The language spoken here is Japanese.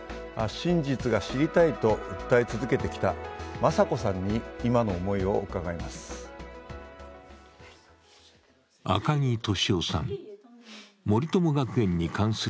真実が知りたいと訴え続けてきた雅子さんに今の思いを伺います。